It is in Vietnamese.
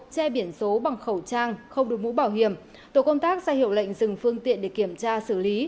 che biển số bằng khẩu trang không đủ mũ bảo hiểm tổ công tác ra hiệu lệnh dừng phương tiện để kiểm tra xử lý